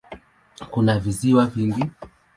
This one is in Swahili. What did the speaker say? Kuna visiwa vingi.